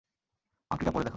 আংটিটা পড়ে দেখো।